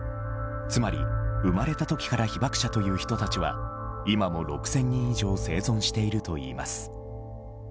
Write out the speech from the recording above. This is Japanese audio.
つまり、生まれた時から被爆者という人たちは今も６０００人以上生存しているといいます。